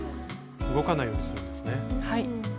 動かないようにするんですね。